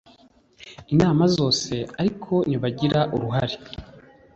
inama zose ariko ntibagira uruhare